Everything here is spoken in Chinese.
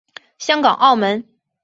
香港澳门